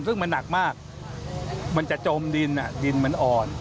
ซึ่งมันหนักมากมันจะจมดินดินมันอ่อน